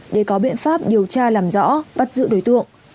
để có biện pháp điều tra làm rõ bắt giữ đối tượng